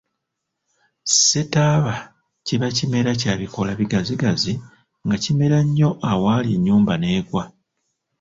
Ssettaaba kiba kimera kya bikoola bigazigazi nga kimera nnyo awaali ennyumba n’egwa.